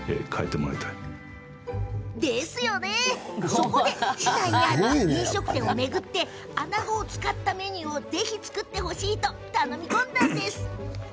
そこで市内にある飲食店を巡ってあなごを使ったメニューを作ってほしいと頼み込んだんです。